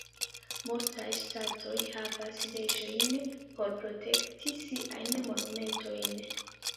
Multaj ŝtatoj havas leĝojn por protekti siajn monumentojn.